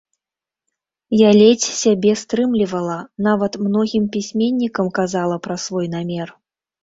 Я ледзь сябе стрымлівала, нават многім пісьменнікам казала пра свой намер.